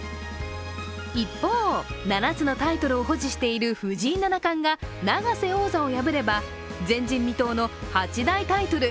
一方、７つのタイトルを保持している藤井七冠が永瀬王座を破れば、前人未到の八大タイトル